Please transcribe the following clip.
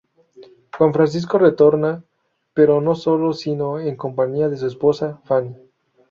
Juan Francisco retorna, pero no solo, sino en compañía de su esposa Fanny.